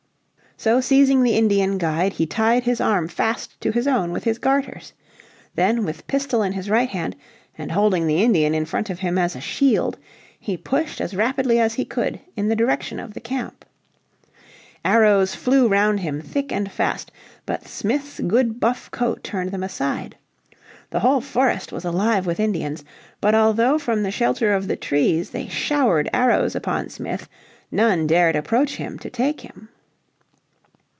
So seizing the Indian guide he tied his arm fast to his own with his garters. Then with pistol in his right hand, and holding the Indian in front of him as a shield, he pushed as rapidly as he could in the direction of the camp. Arrows flew round him thick and fast, but Smith's good buff coat turned them aside. The whole forest was alive with Indians, but although from the shelter of the trees they showered arrows upon Smith none dared approach him to take him.